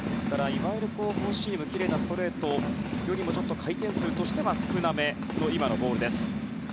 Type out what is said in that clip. いわゆるフォーシームきれいなストレートよりかは回転数としては少なめのボールです。